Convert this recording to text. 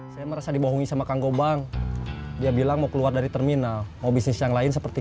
saya merasa dibohongi sama kang gobang dia bilang mau keluar dari terminal mau bisnis yang lain seperti